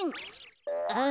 あ。